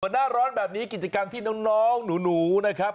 หน้าร้อนแบบนี้กิจกรรมที่น้องหนูนะครับ